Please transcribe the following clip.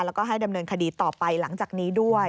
แล้วก็ให้ดำเนินคดีต่อไปหลังจากนี้ด้วย